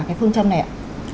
cái phương châm này ạ